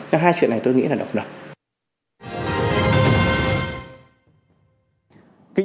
cái hai chuyện này tôi nghĩ là đúng rồi